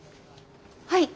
はい。